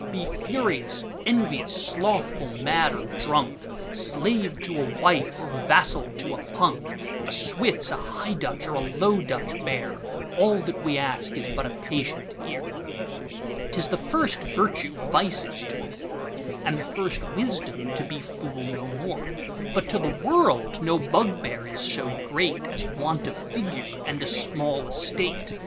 Be furious, envious, slothful, mad, or drunk, Slave to a wife, or vassal to a punk,A Switz, a High Dutch or a Low Dutch bear; All that we ask is but a patient ear.'T is the first virtue vices to abhor, And the first wisdom to be fool no more:But to the world no bugbear is so greatAs want of figure and a small Estate.